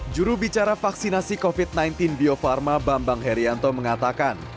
jurubicara vaksinasi covid sembilan belas bio farma bambang herianto mengatakan